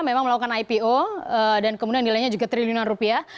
memang melakukan ipo dan kemudian nilainya juga triliunan rupiah